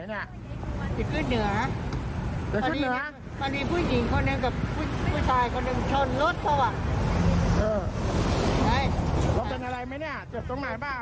รถเป็นอะไรไหมเนี่ยเจ็บตรงไหนเปล่าเออ